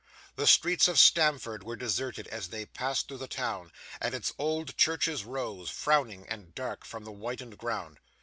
The streets of Stamford were deserted as they passed through the town; and its old churches rose, frowning and dark, from the whitened ground.